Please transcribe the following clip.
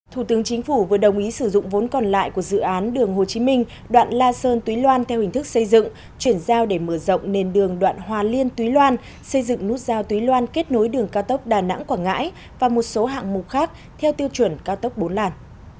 thủ tướng chính phủ vừa đồng ý sử dụng vốn còn lại của dự án đường hồ chí minh đoạn la sơn túy loan theo hình thức xây dựng chuyển giao để mở rộng nền đường đoạn hòa liên túy loan xây dựng nút giao túy loan kết nối đường cao tốc đà nẵng quảng ngãi và một số hạng mục khác theo tiêu chuẩn cao tốc bốn làn